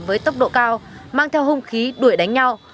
với tốc độ cao mang theo hung khí đuổi đánh nhau